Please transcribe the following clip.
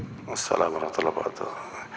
assalamu'alaikum warahmatullahi wabarakatuh